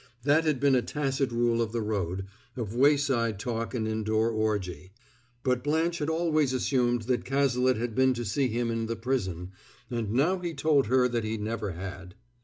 That had been a tacit rule of the road, of wayside talk and indoor orgy. But Blanche had always assumed that Cazalet had been to see him in the prison; and now he told her that he never had.